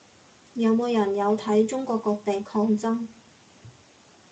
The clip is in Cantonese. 有冇人有睇中國各地抗爭